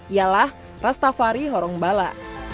ialah rastafari horongbala